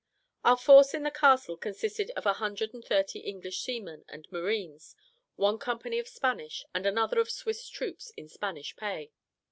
Our force in the castle consisted of a hundred and thirty English seamen and marines, one company of Spanish, and another of Swiss troops in Spanish pay.